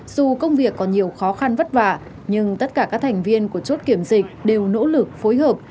dù công việc có nhiều khó khăn vất vả nhưng tất cả các thành viên của chốt kiểm dịch đều nỗ lực phối hợp